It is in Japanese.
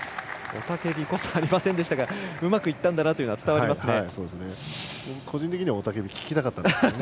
雄たけびこそありませんでしたがうまくいったんだなというのは伝わりますね。